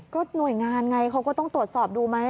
ก็หน่วยงานไงเขาก็ต้องตรวจสอบดูไหม